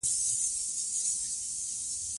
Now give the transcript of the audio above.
د اوبو سپما د هر وګړي مسوولیت دی.